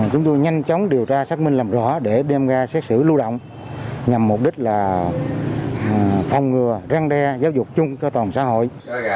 chúng tôi nhanh chóng điều tra xác minh làm rõ để đem ra xét xử lưu động nhằm mục đích là phòng ngừa răng đe giáo dục chung cho toàn xã hội